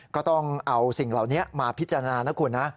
ก็ต้องเอาสิ่งเหล่านี้มาพิจารณานะคุณนะ